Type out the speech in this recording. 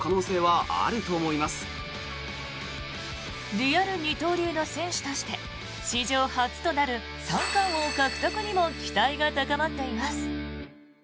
リアル二刀流の選手として史上初となる三冠王獲得にも期待が高まっています。